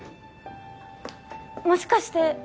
もしかして。